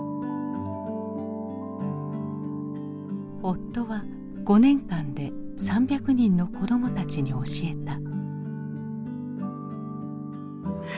夫は５年間で３００人の子どもたちに教えた。